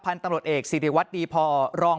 ตำรวจเอกสิริวัตรดีพอรอง